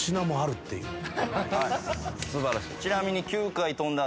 ちなみに。